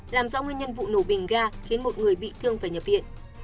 làm rõ nguyên nhân vụ nổ bình ga khiến một người bị thương phải nhập viện